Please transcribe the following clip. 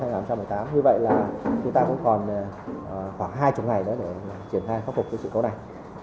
như vậy là chúng ta cũng còn khoảng hai mươi ngày nữa để triển khai khắc phục cái sự cố này